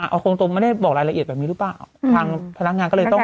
เอาคงตรงไม่ได้บอกรายละเอียดแบบนี้หรือเปล่าทางพนักงานก็เลยต้อง